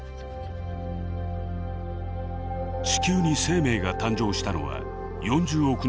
地球に生命が誕生したのは４０億年前。